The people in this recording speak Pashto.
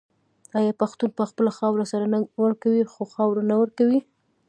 آیا پښتون په خپله خاوره سر نه ورکوي خو خاوره نه ورکوي؟